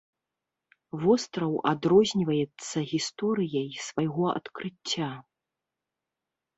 Востраў адрозніваецца гісторыяй свайго адкрыцця.